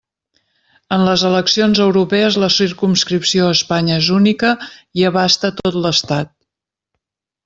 En les eleccions europees la circumscripció a Espanya és única i abasta tot l'Estat.